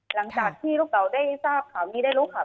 หลังจากที่ลูกเต๋าได้ทราบข่าวนี้ได้รู้ข่าว